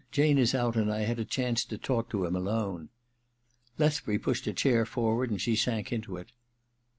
Jane is out, and I had a chance to talk to him alone.' Lethbury pushed a chair forward and she sank into it.